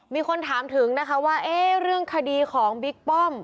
มีคนถามถึงนะคะว่าเรื่องคดีของบิ๊กป้อม